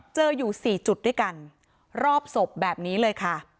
เจออยู่สี่จุดด้วยกันรอบศพแบบนี้เลยค่ะ